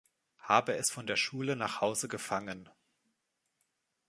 Habe es von der Schule nach Hause gefangen.